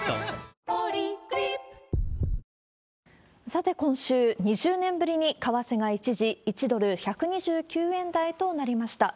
さて、今週、２０年ぶりに為替が一時１ドル１２９円台となりました。